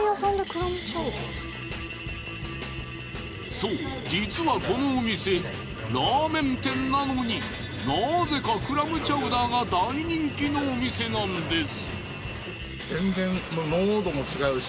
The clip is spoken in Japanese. そう実はこのお店ラーメン店なのになぜかクラムチャウダーが大人気のお店なんです。